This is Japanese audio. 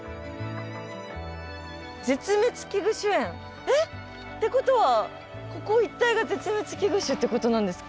絶滅危惧種園？ってことはここ一帯が絶滅危惧種ってことなんですか？